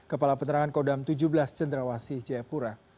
kepala penterangan kodam tujuh belas cenderawasi jayapura